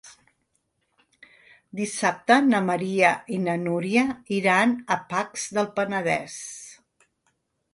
Dissabte na Maria i na Núria iran a Pacs del Penedès.